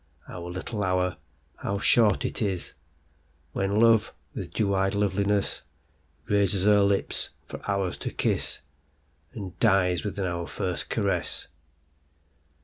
Our little hour,—how short it isWhen Love with dew eyed lovelinessRaises her lips for ours to kissAnd dies within our first caress.